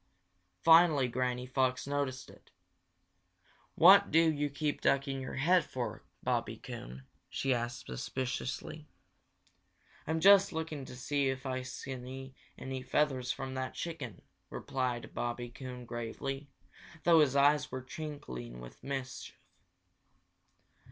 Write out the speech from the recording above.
Finally Granny Fox noticed it. "What do you keep ducking your head for, Bobby Coon?" she asked suspiciously. "I'm just looking to see if I can see any feathers from that chicken," replied Bobby Coon gravely, though his eyes were twinkling with mischief.